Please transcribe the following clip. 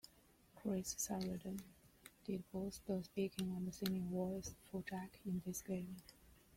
Chris Sarandon did both the speaking and singing voice for Jack in this game.